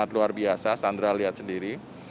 luar biasa sandra lihat sendiri